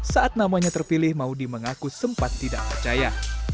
saat namanya terpilih maudie mengaku sempat tidak percaya